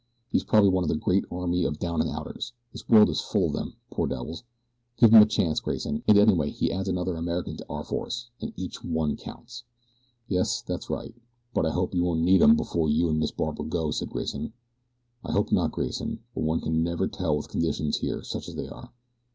He's probably one of the great army of down and outers. The world is full of them poor devils. Give him a chance, Grayson, and anyway he adds another American to our force, and each one counts." "Yes, that's right; but I hope you won't need 'em before you an' Miss Barbara go," said Grayson. "I hope not, Grayson; but one can never tell with conditions here such as they are.